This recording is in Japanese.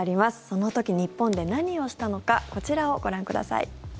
その時、日本で何をしたのかこちらをご覧ください。